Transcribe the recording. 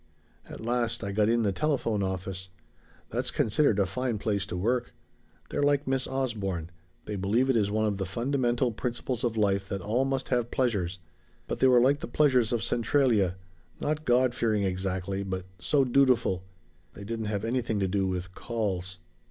"At last I got in the telephone office. That's considered a fine place to work. They're like Miss Osborne; they believe it is one of the fundamental principles of life that all must have pleasures. But they were like the pleasures of Centralia not God fearing, exactly, but so dutiful. They didn't have anything to do with 'calls.'